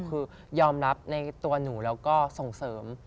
คือยอมรับในตัวหนูแล้วก็ส่งเสริม